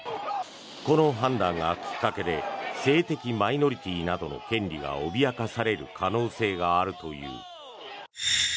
この判断がきっかけで性的マイノリティーなどの権利が脅かされる可能性があるという。